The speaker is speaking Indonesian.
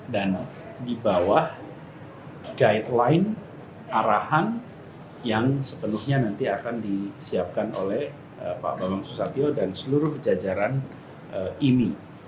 dan di bawah guideline arahan yang sepenuhnya nanti akan disiapkan oleh pak bapak susatyo dan seluruh jajaran ini